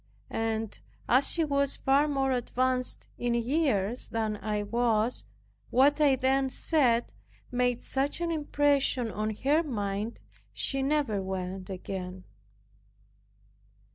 And as she was far more advanced in years than I was, what I then said made such an impression on her mind, she never went again.